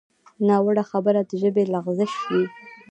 ناوړه خبره د ژبې لغزش وي